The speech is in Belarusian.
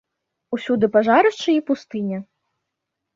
Усюды пажарышчы i пустыня.